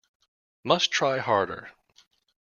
Must try harder.